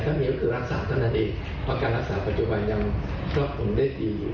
ถ้ามีก็คือรักษาเท่านั้นอีกเพราะการรักษาปัจจุบันยังก็คงได้ดี